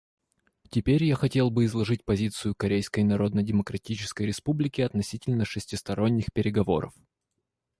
Теперь я хотел бы изложить позицию Корейской Народно-Демократической Республики относительно шестисторонних переговоров.